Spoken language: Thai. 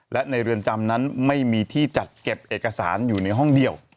และในเรือนจำนั้นไม่มีที่จัดเก็บเอกสารอยู่ในห้องเดียว